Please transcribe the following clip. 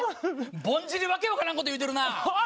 ぼんじり訳分からんこと言うとるな。